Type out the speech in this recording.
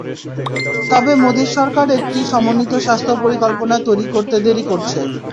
তবে মোদির সরকার একটি সমন্বিত স্বাস্থ্য পরিকল্পনা তৈরি করতে দেরি করছে।